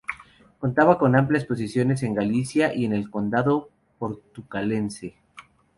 Contaba con amplias posesiones en Galicia y en el condado Portucalense.